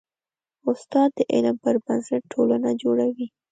استاد د علم پر بنسټ ټولنه جوړوي.